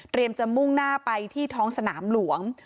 จะมุ่งหน้าไปที่ท้องสนามหลวง